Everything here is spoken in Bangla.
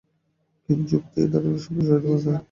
কিন্তু যুক্তি এই ধারণায় সন্তুষ্ট হইতে পারে না।